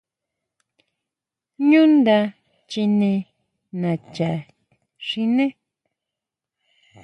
ʼÑú nda chine nacha xiné.